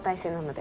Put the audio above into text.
で？